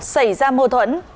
xảy ra mâu thuẫn